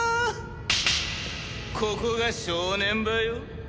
ここが正念場よ。